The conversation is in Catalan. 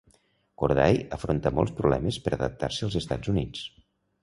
Corday afronta molts problemes per adaptar-se als Estats Units.